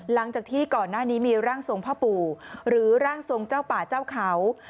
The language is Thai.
หลังจากที่ก่อนหน้านี้มีร่างทรงพ่อปู่หรือร่างทรงเจ้าป่าเจ้าเขา